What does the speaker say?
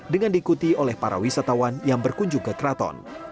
dengan diikuti oleh para wisatawan yang berkunjung ke keraton